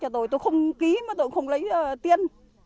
tôi không ký mà tôi không lấy tiền